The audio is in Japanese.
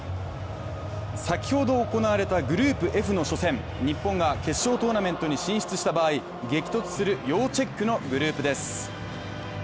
先ほど行われたグループＦの初戦、日本が決勝トーナメントに進出した場合激突する要チェックのグループです。